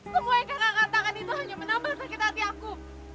semua yang kakak katakan itu hanya menambah sakit hati aku